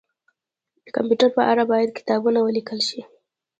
د کمپيوټر په اړه باید کتابونه ولیکل شي